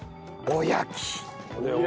おやきね。